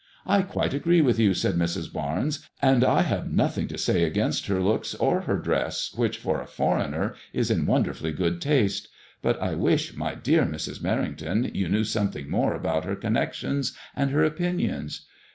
*'" I quite agree with you," said Mrs. Bai nes, " and I have no thing to say against her looks or her dress, which for a foreigner is in wonderfully good taste, but I wish, my dear Mrs. Merrington, you knew something more about her connections and her opinions.